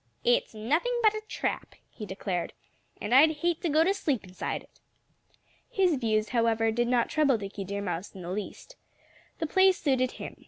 "It's nothing but a trap," he declared. "And I'd hate to go to sleep inside it." His views, however, did not trouble Dickie Deer Mouse in the least. The place suited him.